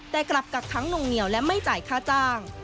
แต่กลับกักค้างนุ่งเหนียวและไม่จ่ายค่าจ้าง